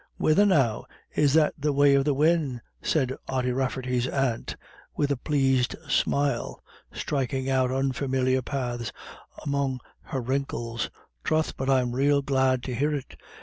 "Whethen now, is that the way of the win'?" said Ody Rafferty's aunt, with a pleased smile, striking out unfamiliar paths among her wrinkles. "Troth, but I'm rael glad to hear it.